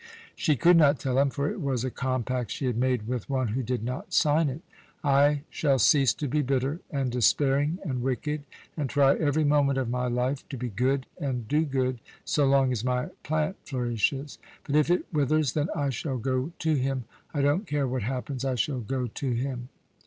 She could not tell him, for it was a compact she had made with one who did not sign it. "I shall cease to be bitter and despairing and wicked, and try every moment of my life to be good and do good, so long as my plant flourishes; but if it withers, then I shall go to him I don't care what happens; I shall go to him."